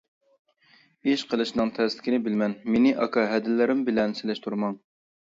ئىش قىلىشنىڭ تەسلىكىنى بىلىمەن، مېنى ئاكا-ھەدىلىرىم بىلەن سېلىشتۇرماڭ.